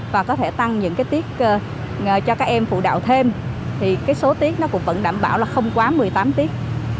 và có thể tăng những cái tiết cho các em phụ đạo thêm thì cái số tiết nó cũng vẫn đảm bảo là không quá một mươi tám tiết